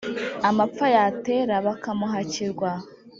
Amapfa yatera bakamuhakirwa.